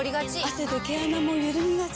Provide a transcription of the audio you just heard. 汗で毛穴もゆるみがち。